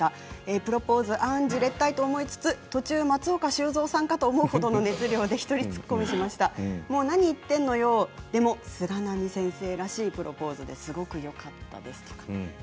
プロポーズじれったいと思いつつ途中、松岡修造さんかというぐらいの熱量で突っ込みました何言ってるのよでも菅波先生らしいプロポーズですごくよかったです。